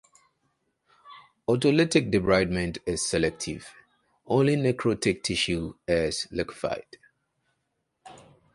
Autolytic debridement is selective; only necrotic tissue is liquefied.